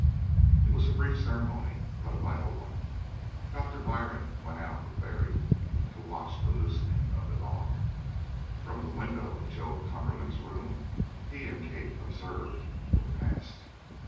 It was a brief ceremony, but a vital one. Doctor Byrne went out with Barry to watch the loosing of the dog; from the window of Joe Cumberland's room he and Kate observed what passed.